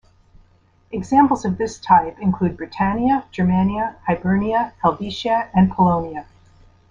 Examples of this type include Britannia, Germania, Hibernia, Helvetia and Polonia.